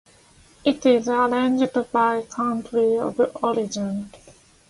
It is arranged by country of origin.